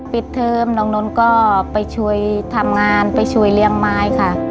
ปิดเทอมน้องนนท์ก็ไปช่วยทำงานไปช่วยเลี้ยงไม้ค่ะ